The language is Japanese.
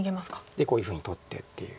でこういうふうに取ってっていう。